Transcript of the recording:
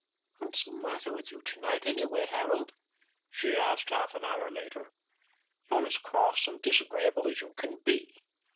"What's the matter with you tonight, anyway, Harold?" she asked a half an hour later. "You're as cross and disagreeable as you can be."